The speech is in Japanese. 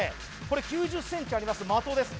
これ９０ｃｍあります的です